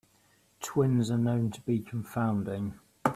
Twins are known to be confounding.